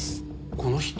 この人。